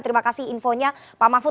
terima kasih infonya pak mahfud